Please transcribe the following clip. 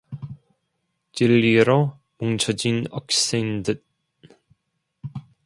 진리로 뭉쳐진 억센 뜻